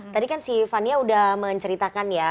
tadi kan si fanny udah menceritakan ya